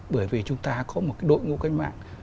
bởi vì chúng ta có một đội ngũ canh mạng